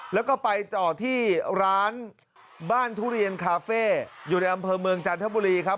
แล้วก็ไปต่อที่ร้านบ้านทุเรียนคาเฟ่อยู่ในอำเภอเมืองจันทบุรีครับ